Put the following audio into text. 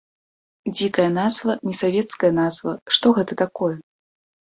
Дзікая назва, несавецкая назва, што гэта такое?